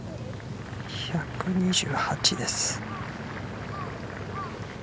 １２８です。